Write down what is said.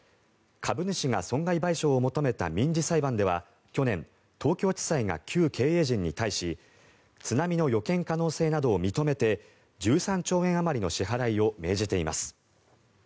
株主が損害賠償を求めた民事裁判では去年、東京地裁が旧経営陣に対し津波の予見可能性などを認めて１３兆円あまりの支払いを命じています。